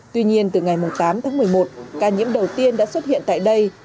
tuy nhiên từ ngày tám tháng một mươi một ca nhiễm đầu tiên đã xuất hiện tại đây